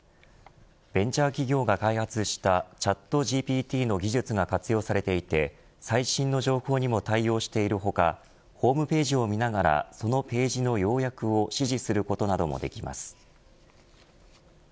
ベンチャー企業が開発したチャットＧＰＴの技術が活用されていて最新の情報にも対応している他ホームページを見ながらそのページの要約を指示することなどもできます。